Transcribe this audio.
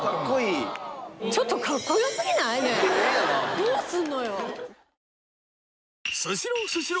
どうするのよ。